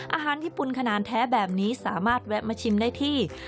อาหารญี่ปุ่นขนาดแท้แบบนี้สามารถแวะมาชิมได้ที่